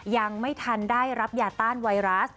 ยังไม่ทันได้รับยาต้านไวรัส